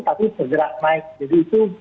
tapi bergerak naik jadi itu